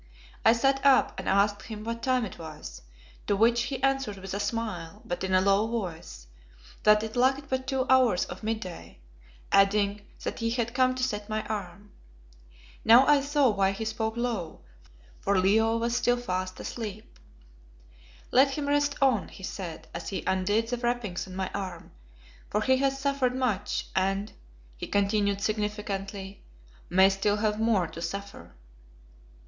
I sat up and asked him what time it was, to which he answered with a smile, but in a low voice, that it lacked but two hours of mid day, adding that he had come to set my arm. Now I saw why he spoke low, for Leo was still fast asleep. "Let him rest on," he said, as he undid the wrappings on my arm, "for he has suffered much, and," he continued significantly, "may still have more to suffer."